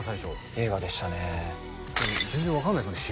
映画でしたね全然分かんないですもんね